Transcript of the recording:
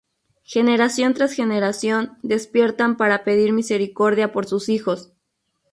Generación tras generación despiertan para pedir misericordia por sus hijos.